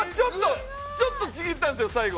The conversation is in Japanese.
ちょっとちぎったんですよ、最後。